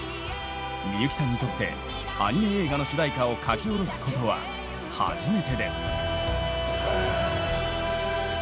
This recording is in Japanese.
みゆきさんにとってアニメ映画の主題歌を書き下ろすことは初めてです。